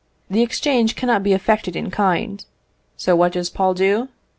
The exchange cannot be effected in kind, so what does Paul do?